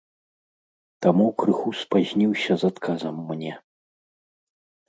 Таму крыху спазніўся з адказам мне.